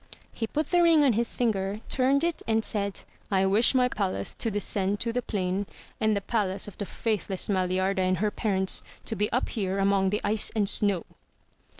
He put the ring on his finger, turned it and said, " I wish my palace to descend to the plain and the palace of the faithless Maliarda and her parents to be up here among the ice and snow!"